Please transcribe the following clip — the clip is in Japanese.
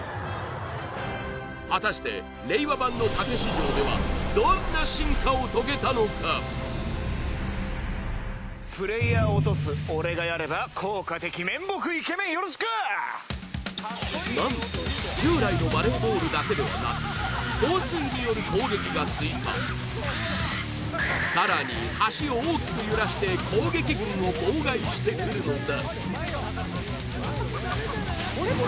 果たして令和版のたけし城ではどんな進化を遂げたのかプレーヤーを落とす俺がやれば効果てきめん僕イケメンよろしく何と従来のバレーボールだけではなく放水による攻撃が追加さらに橋を大きく揺らして攻撃軍を妨害してくるのだ